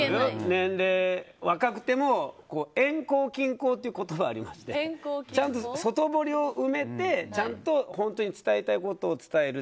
年齢が若くても遠交近攻っていう言葉がありまして外堀を埋めてちゃんと伝えたいことを伝える。